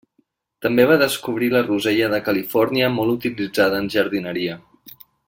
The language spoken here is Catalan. També va descobrir la rosella de Califòrnia molt utilitzada en jardineria.